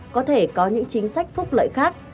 có thể có những chính sách phúc lợi khác